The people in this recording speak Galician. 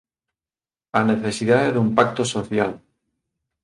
A necesidade dun pacto social